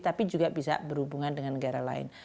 tapi juga bisa berhubungan dengan negara lain